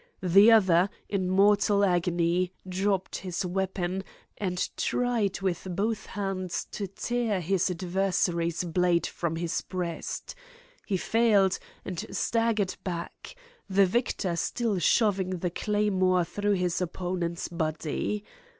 The other, in mortal agony, dropped his weapon, and tried with both hands to tear his adversary's blade from his breast. He failed, and staggered back, the victor still shoving the claymore through his opponent's body.